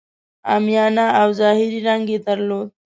عامیانه او ظاهري رنګ یې درلود.